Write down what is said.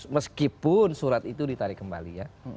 meskipun surat itu ditarik kembali ya